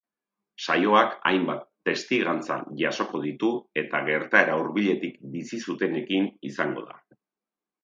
Saioak hainbat testigantza jasoko ditu eta gertaera hurbiletik bizi zutenekin izango da.